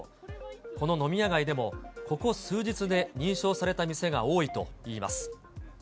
この飲み屋街でもここ数日で認証された店が多いといいます。